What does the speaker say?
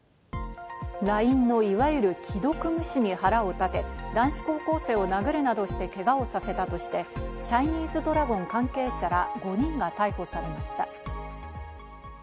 ＬＩＮＥのいわゆる既読無視に腹を立て、男子高校生を殴るなどしてけがをさせたとして、チャイニーズドラゴン関係者ら５人が逮捕されました。